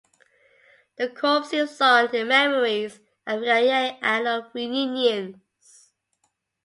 The corps lives on in memories and via annual reunions.